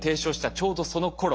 ちょうどそのころ